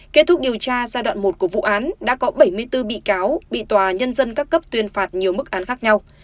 kết thúc điều tra giai đoạn một của vụ án đã có bảy mươi bốn bị cáo bị tòa nhân dân các cấp tuyên phạt nhiều mức án khác nhau